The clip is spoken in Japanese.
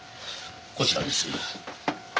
こちらです。